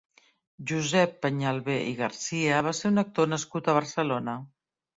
Josep Peñalver i Garcia va ser un actor nascut a Barcelona.